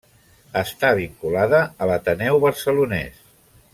Està vinculada a l'Ateneu Barcelonès.